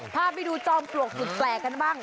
พาไปดูจอมปลวกสุดแปลกกันบ้าง